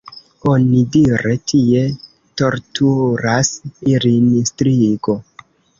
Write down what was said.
Onidire tie torturas ilin strigo.